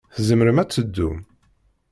Tzemrem ad teddum?